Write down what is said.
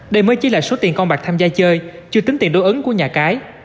đây mới chỉ là số tiền con bạc tham gia chơi chưa tính tiền đối ứng của nhà cái